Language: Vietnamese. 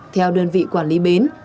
theo đơn vị quản lý bến